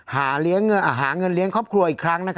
หาเงินเลี้ยงครอบครัวอีกครั้ง